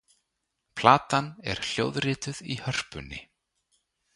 Platan er hljóðrituð í Hörpunni.